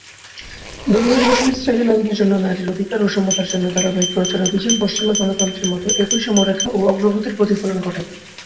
ধর্মনিরপেক্ষ ইসরায়েলি নারীদের জন্য নারীর অধিকার ও সমতার জন্য ধারাবাহিক প্রচারাভিযান পশ্চিমা গণতন্ত্রের মতো একই সময়রেখা ও অগ্রগতির প্রতিফলন ঘটায়।